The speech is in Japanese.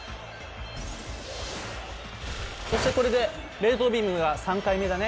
そしてこれでれいとうビームが３回目だね。